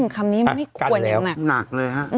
คำนี้มันไม่ควรอยู่ตรงนี้